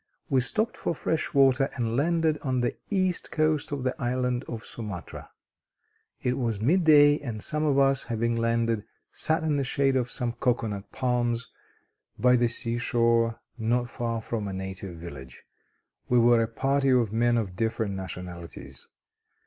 We stopped for fresh water, and landed on the east coast of the island of Sumatra. It was midday, and some of us, having landed, sat in the shade of some cocoanut palms by the seashore, not far from a native village. We were a party of men of different nationalities.